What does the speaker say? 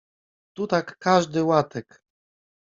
Tu tak każdy łatek.